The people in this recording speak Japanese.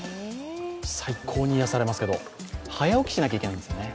最高に癒やされますけど、早起きしないといけないんですよね。